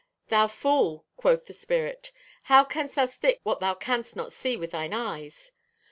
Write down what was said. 'Thou fool,' quoth the spirit, 'how canst thou stick what thou canst not see with thine eyes?'